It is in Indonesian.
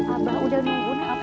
abah udah nunggu nak